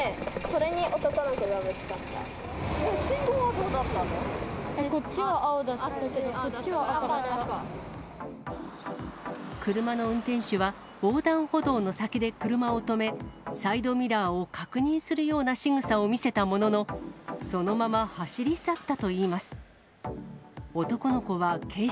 こっちは青だったけど、車の運転手は、横断歩道の先で車を止め、サイドミラーを確認するようなしぐさを見せたものの、そのまま走り去ったといいます。